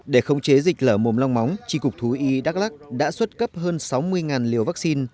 để khống chế dịch lở mồm long móng tri cục thú y đắk lắc đã xuất cấp hơn sáu mươi liều vaccine